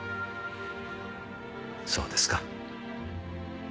そうですか。